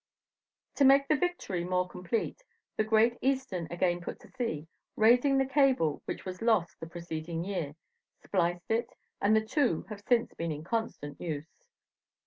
To make the victory more complete, the Great Eastern again put to sea, raised the cable which was lost the preceding year, spliced it, and the two have since been in constant use.